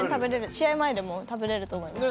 試合前でも食べれると思います。